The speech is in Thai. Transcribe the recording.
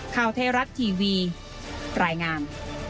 ข้าวเทรัตน์ทีวีปรายงาม